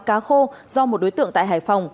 cá khô do một đối tượng tại hải phòng